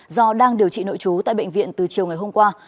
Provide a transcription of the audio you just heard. do đang điều trị nội trú tại bệnh viện từ chiều ngày hôm qua